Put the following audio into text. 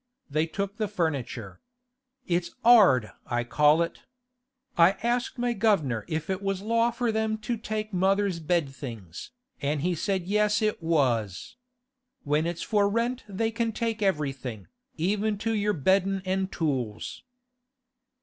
They took the furniture. It's 'ard, I call it. I asked my guvnor if it was law for them to take mother's bed things, an' he said yes it was. When it's for rent they can take everything, even to your beddin' an' tools.